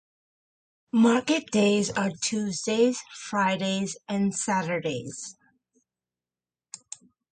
Market days are Tuesdays, Fridays and Saturdays.